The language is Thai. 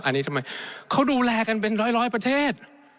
อันนี้ทำไมเขาดูแลกันเป็นร้อยประเทศ